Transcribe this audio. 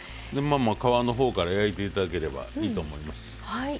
皮のほうから焼いていただければいいと思います。